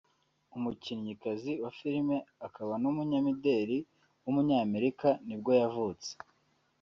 umukinnyikazi wa film akaba n’umunyamideli w’umunyamerika nibwo yavutse